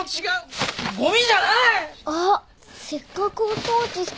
あっせっかくお掃除したのに。